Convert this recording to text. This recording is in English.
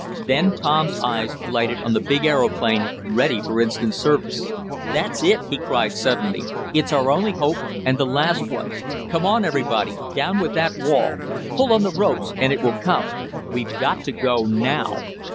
Then Tom's eyes lighted on the big aeroplane, ready for instant service. "That's it!" he cried suddenly. "It's our only hope, and the last one! Come on, everybody! Down with that wall! Pull on the ropes and it will come! We've got to go now.